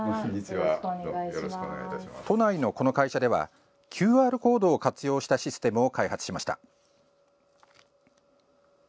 都内のこの会社ではＱＲコードを活用したシステムを開発しました。